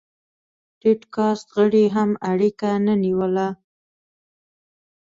ټيټ کاست غړي هم اړیکه نه نیوله.